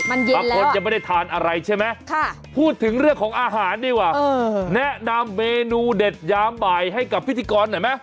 มันเย็นแล้วค่ะพูดถึงเรื่องของอาหารดีกว่าแนะนำเมนูเด็ดย้ำบ่ายให้กับพิธีกรหน่อยไหม